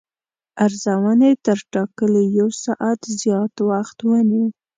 ارزونې تر ټاکلي یو ساعت زیات وخت ونیو.